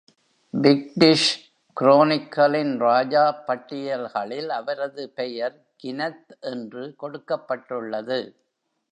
Pictish குரோனிக்கலின் ராஜா பட்டியல்களில் அவரது பெயர் கினெத் என்று கொடுக்கப்பட்டுள்ளது.